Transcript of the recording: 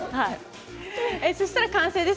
そうしたら完成です。